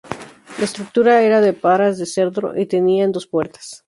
La estructura era de varas de cedro y tenían dos puertas.